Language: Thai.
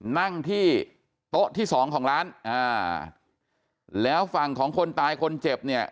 นั่งที่โต๊ะที่สองของร้านอ่าแล้วฝั่งของคนตายคนเจ็บเนี่ย